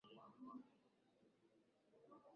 ploti zao ni bei ghali.